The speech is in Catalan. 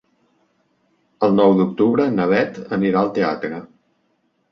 El nou d'octubre na Bet anirà al teatre.